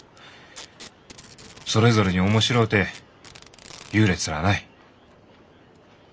それぞれに面白うて優劣らあない。